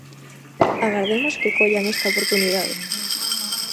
Agardemos que collan esta oportunidade.